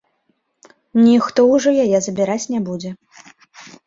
Ніхто ўжо яе забіраць не будзе.